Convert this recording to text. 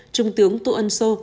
trung tướng tô ân sô